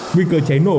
nguy cơ cháy nổ